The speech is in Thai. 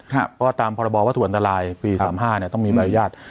เพราะว่าตามพรบวัตถุอันตรายปี๓๕เนี่ยต้องมีบรรยายนุญาต